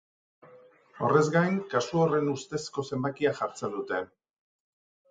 Horrez gain, kasu horren ustezko zenbakia jartzen dute.